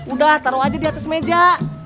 udah taruh aja di atas meja